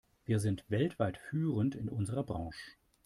Wir sind weltweit führend in unserer Branche.